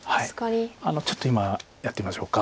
ちょっと今やってみましょうか。